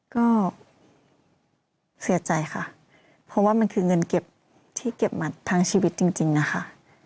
ก็เสียใจค่ะเพราะว่ามันคือเงินเก็บที่เก็บมาทั้งชีวิตจริงนะคะ